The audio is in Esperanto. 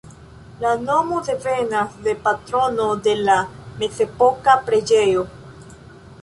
La nomo devenas de patrono de la mezepoka preĝejo.